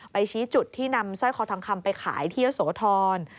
ชี้จุดที่นำสร้อยคอทองคำไปขายที่เยอะโสธร